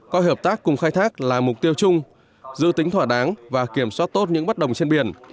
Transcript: coi hợp tác cùng khai thác là mục tiêu chung dự tính thỏa đáng và kiểm soát tốt những bất đồng trên biển